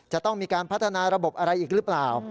จะต้องมีการพัฒนาระบบอะไรอีกหรือเปล่า